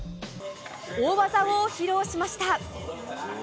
大技を披露しました。